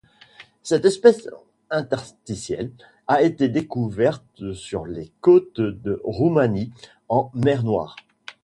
Cette espèce interstitielle a été découverte sur les côtes de Roumanie en mer Noire.